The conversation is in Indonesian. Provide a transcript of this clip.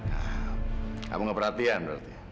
kamu enggak perhatian